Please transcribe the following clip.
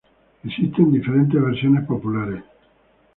Existen diferentes versiones populares.